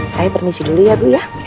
saya permisi dulu ya bu ya